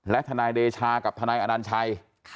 และทนายเดชากับทนายอนัญชัย